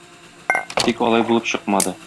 Тик алай булып чыкмады.